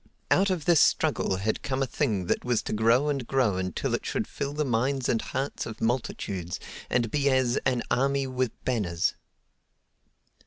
Out of this struggle had come a thing that was to grow and grow until it should fill the minds and hearts of multitudes and be as "an army with banners."